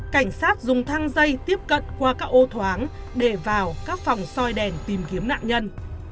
cảnh sát dùng thang dây tiếp cận qua các ô thoáng để vào các phòng xoay đèn tìm kiếm nạn nhân